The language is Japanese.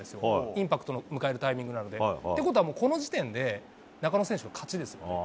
インパクトを迎えるタイミングなので。ってことはこの時点で中野選手の勝ちです。